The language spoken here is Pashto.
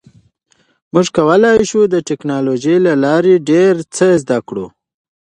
موږ کولی شو د ټکنالوژۍ له لارې ډیر څه زده کړو.